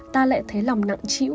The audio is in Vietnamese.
ta lại thấy lòng nặng chịu